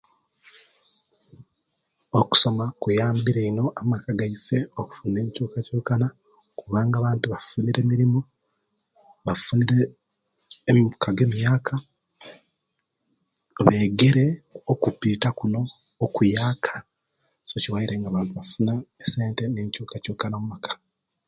Okusoma owekuyambire okufuna ebyetaago oluvanyuma lwa lwakusoma, omuntu amanya okukola eki ekisobola okuyamba amaka, era nabanga asobola okufuna mungeri ensa.